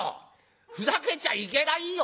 ふざけちゃいけないよ。